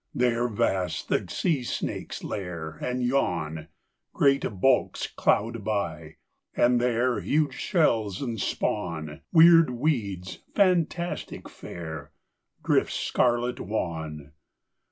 There vast the sea snakes lair And yawn; Great bulks cloud by; and there Huge shells and spawn, Weird weeds, fantastic fair, Drift scarlet wan.